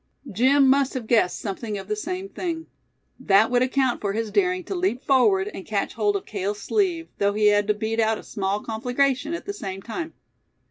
Jim must have guessed something of the same thing. That would account for his daring to leap forward, and catch hold of Cale's sleeve, though he had to beat out a small conflagration at the same time.